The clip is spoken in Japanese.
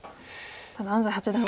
ただ安斎八段は。